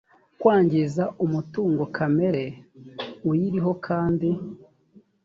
kwangiza umutungo kamere uyiriho kandi